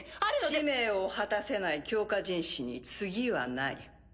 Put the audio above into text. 使命を果たせない強化人士に次はない。